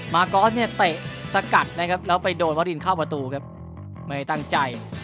มากอสเนี่ยเตะสกัดนะครับแล้วไปโดนวรินเข้าประตูครับไม่ตั้งใจ